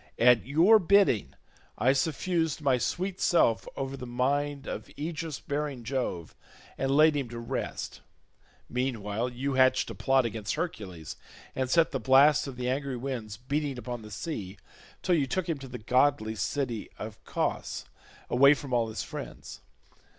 At your bidding I suffused my sweet self over the mind of aegis bearing Jove, and laid him to rest; meanwhile you hatched a plot against Hercules, and set the blasts of the angry winds beating upon the sea, till you took him to the goodly city of Cos, away from all his friends.